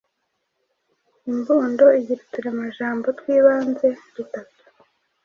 Imbundo igira uturemajambo tw’ibanze dutatu